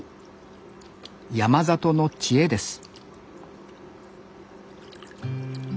山里の知恵です